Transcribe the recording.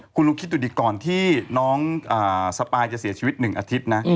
คุณลองคิดดูดิก่อนที่น้องสปายจะเสียชีวิต๑อาทิตย์นะ